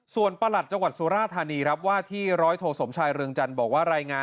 ส่วนประหลัดจังหวัดสุราธานีครับว่าที่ร้อยโทสมชายเรืองจันทร์บอกว่ารายงาน